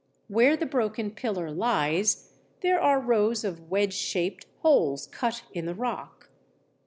Where the broken pillar lies, there are rows of wedge shaped holes cut in the rock.